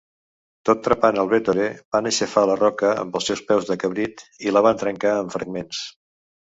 Tot trepant el Vettore, van aixafar la roca amb els seus peus de cabrit i la van trencar en fragments.